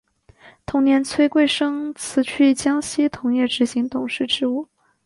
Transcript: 同年崔贵生辞去江西铜业执行董事职务。